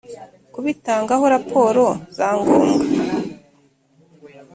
kubitangaho raporo za ngombwa